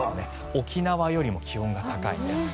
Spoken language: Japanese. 沖縄よりも気温が高いんです。